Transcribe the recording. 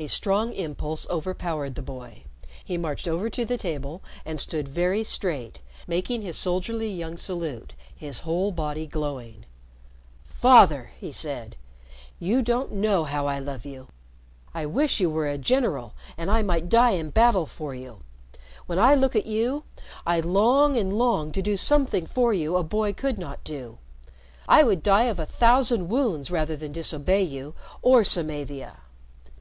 A strong impulse overpowered the boy. He marched over to the table and stood very straight, making his soldierly young salute, his whole body glowing. "Father!" he said, "you don't know how I love you! I wish you were a general and I might die in battle for you. When I look at you, I long and long to do something for you a boy could not do. I would die of a thousand wounds rather than disobey you or Samavia!"